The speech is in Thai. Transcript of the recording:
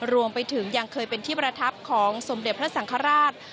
รวมไปถึงยังเคยเป็นที่ประทับของสมเด็จพระสังฆราช